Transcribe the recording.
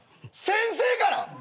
先生から！？